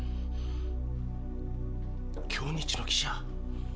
京日の記者？